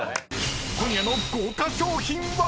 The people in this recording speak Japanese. ［今夜の豪華賞品は⁉］